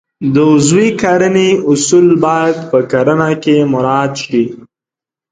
د عضوي کرنې اصول باید په کرنه کې مراعات شي.